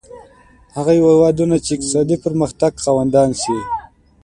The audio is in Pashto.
هغه هېوادونه چې اقتصادي پرمختګ خاوندان شي.